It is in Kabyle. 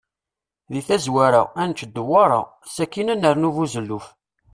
Di tazwara, ad nečč dewwaṛa, sakin ad nernu buzelluf.